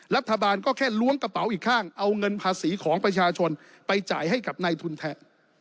รัฐบาลก็แค่ล้วงกระเป๋าอีกข้างเอาเงินภาษีของประชาชนไปจ่ายให้กับในทุนแทน